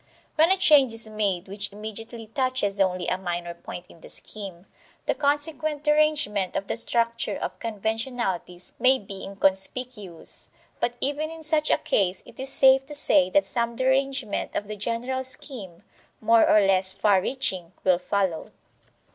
When a change is made which immediately touches only a minor point in the scheme, the consequent derangement of the structure of conventionalities may be inconspicuous; but even in such a case it is safe to say that some derangement of the general scheme, more or less far reaching, will follow.